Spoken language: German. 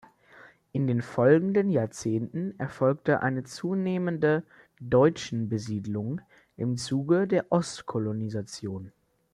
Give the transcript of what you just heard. In den folgenden Jahrzehnten erfolgte eine zunehmende deutschen Besiedlung im Zuge der Ostkolonisation.